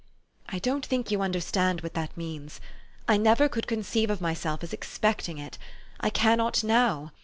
" I don't think you understand what that means. I never could conceive of myself as expecting it. I cannot now.